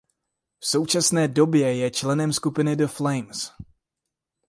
V současné době je členem skupiny The Flames.